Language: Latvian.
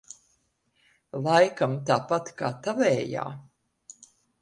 Laikam tāpat kā tavējā?